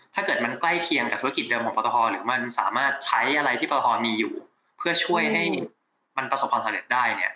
ถ้าเกิดมันใกล้เคียงกับธุรกิจเดิมของปปภมันสามารถใช้อะไรที่พอมีอยู่เพื่อช่วยให้มันประสบความสำเร็จได้เนี่ย